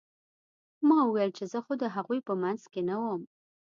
ما وويل چې زه خو د هغوى په منځ کښې نه وم.